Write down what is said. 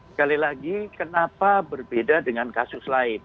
sekali lagi kenapa berbeda dengan kasus lain